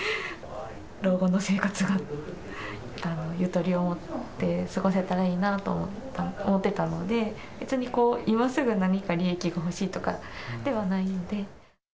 老後の生活がゆとりを持って過ごせたらいいなと思ってたので、別に今すぐ何か利益が欲しいとかではないので。